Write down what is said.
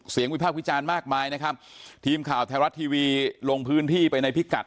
วิพากษ์วิจารณ์มากมายนะครับทีมข่าวไทยรัฐทีวีลงพื้นที่ไปในพิกัด